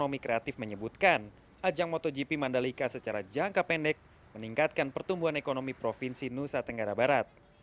ekonomi kreatif menyebutkan ajang motogp mandalika secara jangka pendek meningkatkan pertumbuhan ekonomi provinsi nusa tenggara barat